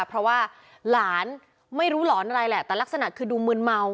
เพราะว่าหลานไม่รู้หลอนอะไรแหละแต่ลักษณะคือดูมืนเมา